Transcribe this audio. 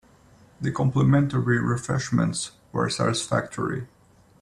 The complimentary refreshments were satisfactory.